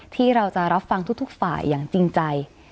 ที่เราจะรับฟังทุกฝ่ายอย่างจริงใจ